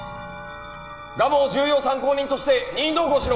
蒲生を重要参考人として任意同行しろ！